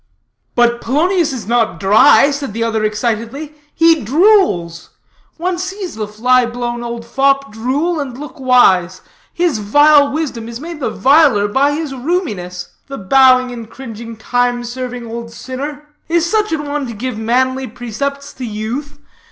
"But Polonius is not dry," said the other excitedly; "he drules. One sees the fly blown old fop drule and look wise. His vile wisdom is made the viler by his vile rheuminess. The bowing and cringing, time serving old sinner is such an one to give manly precepts to youth?